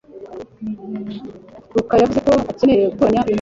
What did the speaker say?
rukarayavuze ko akeneye gutoranya ibintu bike.